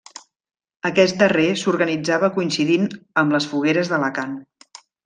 Aquest darrer s'organitzava coincidint amb les Fogueres d'Alacant.